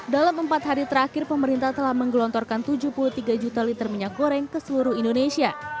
dalam empat hari terakhir pemerintah telah menggelontorkan tujuh puluh tiga juta liter minyak goreng ke seluruh indonesia